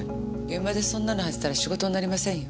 現場でそんなの履いてたら仕事になりませんよ。